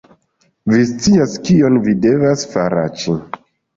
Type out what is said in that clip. Vi scias, kion vi devas faraĉi